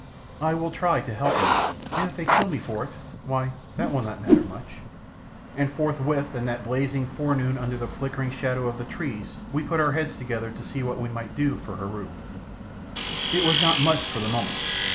"I will try to help you; and if they kill me for it why, that will not matter much." And forthwith in that blazing forenoon under the flickering shadow of the trees we put our heads together to see what we might do for Heru. It was not much for the moment.